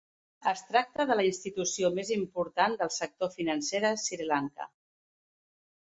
Es tracta de la institució més important del sector financer de Sri Lanka.